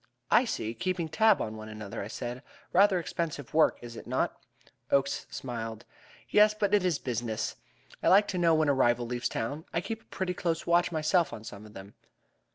"I see. Keeping tab on one another!" I said. "Rather expensive work, is it not?" Oakes smiled. "Yes, but it is business. I like to know when a rival leaves town. I keep a pretty close watch myself on some of them."